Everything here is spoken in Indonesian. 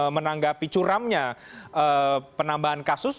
menanggapi curamnya penambahan kasus